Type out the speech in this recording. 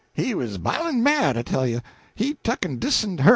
he was b'ilin' mad, I tell you! He tuck 'n' dissenhurrit him."